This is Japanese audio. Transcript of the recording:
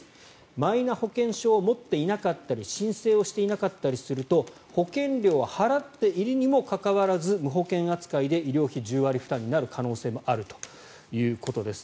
マイナ保険証を持っていなかったり申請をしていなかったりすると保険料を払っているにもかかわらず無保険扱いで医療費１０割負担になる可能性もあるということです。